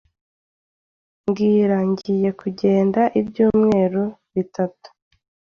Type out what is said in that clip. Bwira ngiye kugenda ibyumweru bitatu.